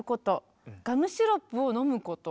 「ガムシロップを飲むこと」。